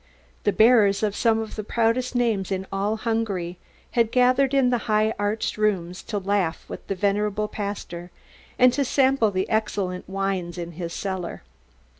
The bearers of some of the proudest names in all Hungary had gathered in the high arched rooms to laugh with the venerable pastor and to sample the excellent wines in his cellar.